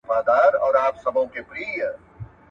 سیاستپوهنه په حقیقت کي د بېلابېلو تیوریو یوه لویه مجموعه ده.